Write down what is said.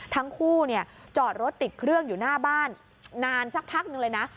ทั้งคู่จอดรถติดเครื่องอยู่หน้าบ้านนานสักพักหนึ่งเลยนะ